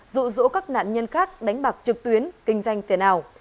dụ dỗ các nạn nhân khác đánh bạc trực tuyến kinh doanh tiền ảo